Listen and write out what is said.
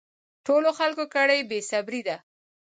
ټولو خلکو کړی بې صبري ده